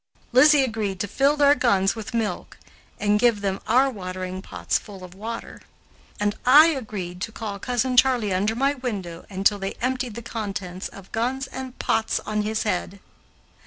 Lizzie agreed to fill their guns with milk, and give them our watering pots full of water, and I agreed to call Cousin Charley under my window until they emptied the contents of guns and pots on his head.